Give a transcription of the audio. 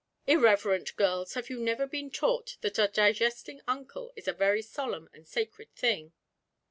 Irreverent girls, have you never been taught that a digesting uncle is a very solemn and sacred thing?'